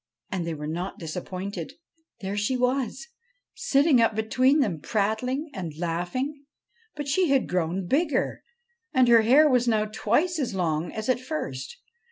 And they were not disappointed. There she was, sitting up between them, prattling and laughing. But she had grown bigger, and her hair was now twice as long as at first.